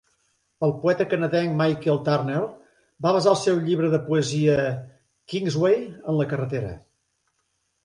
El poeta canadenc Michael Turner va basar el seu llibre de poesia, "Kingsway", en la carretera.